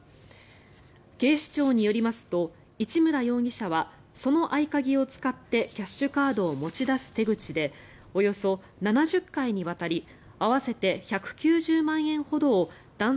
警視庁によりますと市村容疑者は、その合鍵を使ってキャッシュカードを持ち出す手口でおよそ７０回にわたり